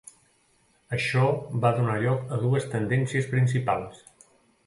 Això va donar lloc a dues tendències principals.